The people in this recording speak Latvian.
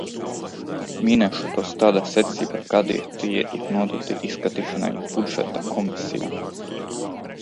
Minēšu tos tādā secībā, kādā tie ir nodoti izskatīšanai Budžeta komisijā.